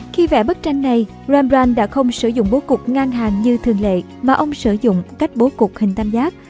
khi vẽ bức tranh này rembrandt đã không sử dụng bối cục ngang hàng như thường lệ mà ông sử dụng cách bối cục hình tam giác